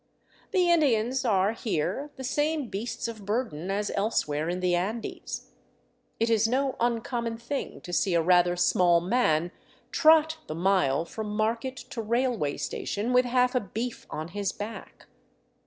The Indians are here the same beasts of burden as elsewhere in the Andes. It is no uncommon thing to see a rather small man trot the mile from market to railway station with half a beef on his back.